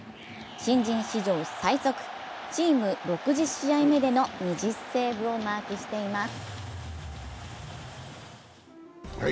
新人史上最速、チーム６０試合目での２０セーブをマークしています。